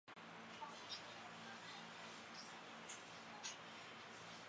二十六年以左庶子提督贵州学政。